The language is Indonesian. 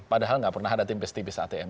padahal nggak pernah ada tempe setipis atm